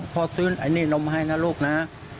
ซื้อไอ้นี่นมให้นะลูกนะ